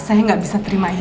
saya nggak bisa terima ini